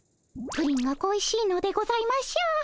プリンが恋しいのでございましょう。